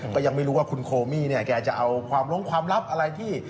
ก็ยังไม่รู้ว่าคุณโคมี่เนี่ยแกจะเอาความลงความลับอะไรที่